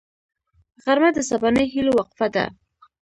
غرمه د سبانۍ هيلو وقفه ده